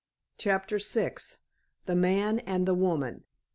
CHAPTER VI. THE MAN AND THE WOMAN.